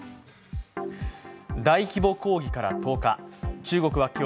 大規模抗議から１０日。